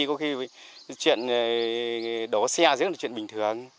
có khi chuyện đổ xe rất là chuyện bình thường